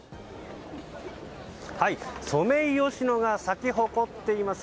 はい、ソメイヨシノが咲き誇っています。